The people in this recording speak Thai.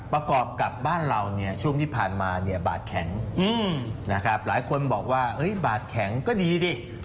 ประกอบกับบ้านเราเนี่ยช่วงที่ผ่านมาเนี่ยบาดแข็งนะครับหลายคนบอกว่าบาทแข็งก็ดีดิ